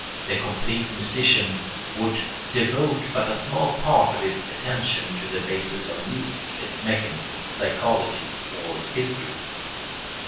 The complete musician would devote but a small part of his attention to the basis of music, its mechanism, psychology, or history.